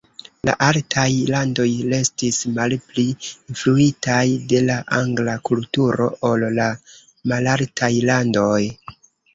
La altaj landoj restis malpli influitaj de la angla kulturo ol la malaltaj landoj.